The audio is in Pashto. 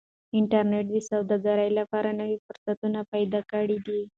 انټرنيټ د سوداګرۍ لپاره نوي فرصتونه پیدا کړي دي.